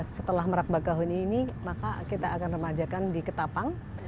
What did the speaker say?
setelah merak bakahuni ini maka kita akan remajakan di ketapang